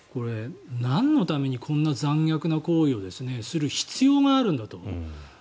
なんのためにこんな残虐な行為をする必要があるんだと。